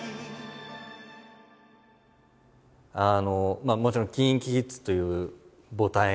まあもちろんＫｉｎＫｉＫｉｄｓという母体があって。